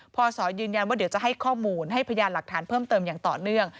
ศยืนยันว่าเดี๋ยวจะให้ข้อมูลให้พยานหลักฐานเพิ่มเติมอย่างต่อเนื่อง